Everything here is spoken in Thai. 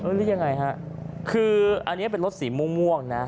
หรือยังไงฮะคืออันนี้เป็นรถสีม่วงนะ